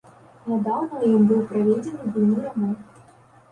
Нядаўна ў ім быў праведзены буйны рамонт.